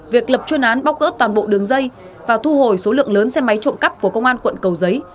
việc lập chuyên án bóc gỡ toàn bộ đường dây và thu hồi số lượng lớn xe máy trộm cắp của công an quận cầu giấy